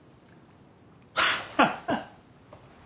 ハハハッ！